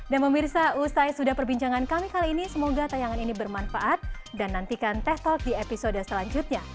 dan pemirsa usai sudah perbincangan kami kali ini semoga tayangan ini bermanfaat dan nantikan techtalk di episode selanjutnya